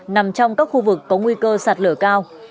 nằm trong các khu vực có nguy cơ sạt lở cao